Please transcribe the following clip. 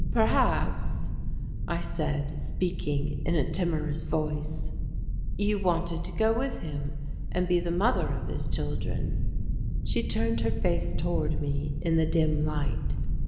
"Perhaps," I said, speaking in a timorous voice, "you wanted to go with him and be the mother of his children?" She turned her face toward me in the dim light.